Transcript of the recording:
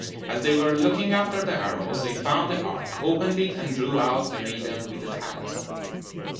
As they were looking after the arrows, they found the ark, opened it, and drew out the maiden with the talisman.